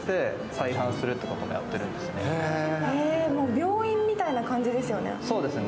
病院みたいな感じですよね。